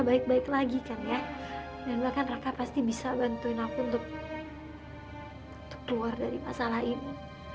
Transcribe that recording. baik baik lagi kan ya dan bahkan raka pasti bisa bantuin aku untuk keluar dari masalah ini